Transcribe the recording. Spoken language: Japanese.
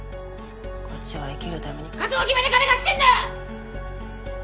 こっちは生きるために覚悟決めて金貸してんだよ！